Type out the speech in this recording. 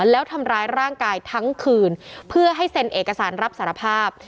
แล้วทำร้ายร่างกายทั้งคืนเพื่อให้เซ็นเอกสารรับสารภาพ